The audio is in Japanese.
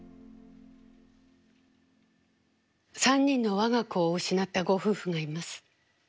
３人の我が子を失ったご夫婦がいます。